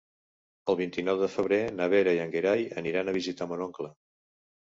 El vint-i-nou de febrer na Vera i en Gerai aniran a visitar mon oncle.